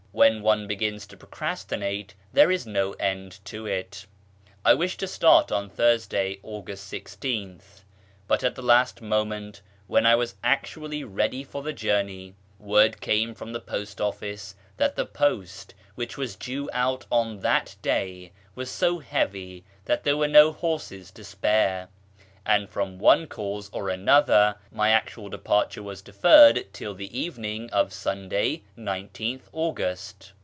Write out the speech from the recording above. When one begins to procrastinate there is no end to it. I wished to start on Thursday, August 16th, but at the last moment, when I was actually ready for the journey, word came from the post office that the post (which was due out on that day) was so heavy that there were no horses to spare ; and from one cause and another my actual departure was deferred till the evening of Sunday, 19th August.